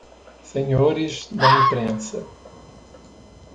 Senhores da Imprensa!